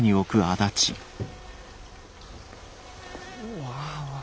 うわ。